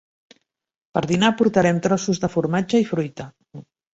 Per dinar portarem trossos de formatge i fruita.